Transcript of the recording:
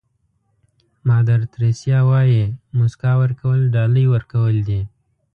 مادر تریسیا وایي موسکا ورکول ډالۍ ورکول دي.